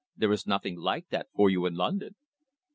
There is nothing like that for you in London."